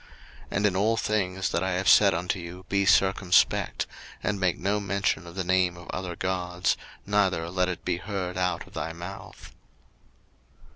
02:023:013 And in all things that I have said unto you be circumspect: and make no mention of the name of other gods, neither let it be heard out of thy mouth.